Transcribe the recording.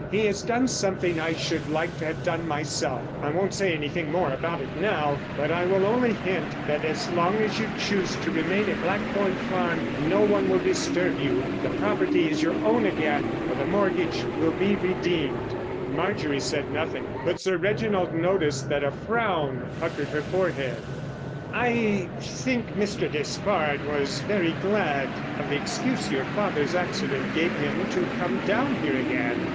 He has done something I should like to have done myself—I won't say anything more about it now, but I will only hint that as long as you choose to remain at Blackthorn Farm no one will disturb you.... The property is your own again—for the mortgage will be redeemed." Marjorie said nothing, but Sir Reginald noticed that a frown puckered her forehead. "I think Mr. Despard was very glad of the excuse your father's accident gave him to come down here again."